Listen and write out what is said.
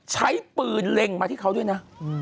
ใช้ปืนเล็งมาที่เขาด้วยนะ